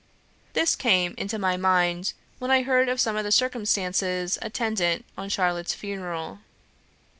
This came into my mind when I heard of some of the circumstances attendant on Charlotte's funeral.